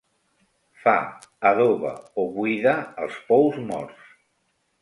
Fa, adoba o buida els pous morts.